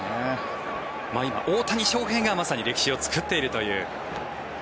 今、大谷翔平がまさに歴史を作っているという。